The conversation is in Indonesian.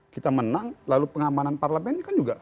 kita menang lalu pengamanan parlemen ini kan juga